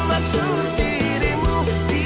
aku tahu maksud dirimu